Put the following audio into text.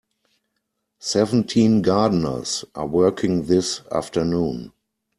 Seventeen gardeners are working this afternoon.